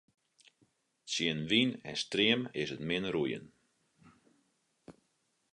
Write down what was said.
Tsjin wyn en stream is 't min roeien.